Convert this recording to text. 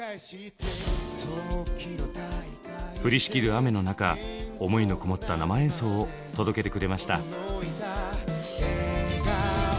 降りしきる雨の中思いのこもった生演奏を届けてくれました。